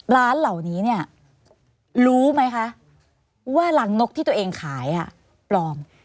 ร้านเหล่านี้เนี่ยรู้ไหมคะว่ารังนกที่ตัวเองขายปลอม